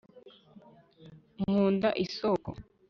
nkunda isoko